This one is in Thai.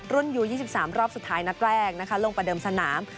รุ่นอยู่๒๓รอบสุดท้ายนัดแรกลงประเดิมสนาม